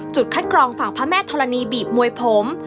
คัดกรองฝั่งพระแม่ธรณีบีบมวยผม